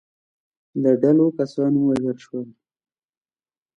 د ډلو کسان ووژل شول.